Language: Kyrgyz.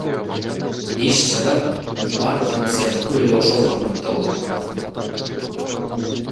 Иш чара Баркэмп сыяктуу эле ошол фарматта болот.